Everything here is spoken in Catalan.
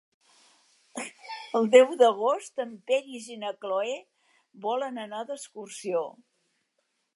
El deu d'agost en Peris i na Cloè volen anar d'excursió.